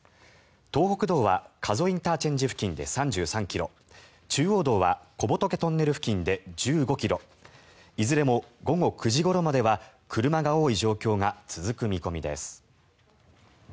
東北道は加須ＩＣ付近で３３ｋｍ中央道は小仏トンネル付近で１５ｋｍいずれも午後９時ごろまでは車が多い状況が続く見込みです。